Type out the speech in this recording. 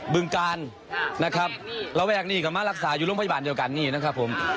ึงกาลนะครับระแวกนี้ก็มารักษาอยู่โรงพยาบาลเดียวกันนี่นะครับผม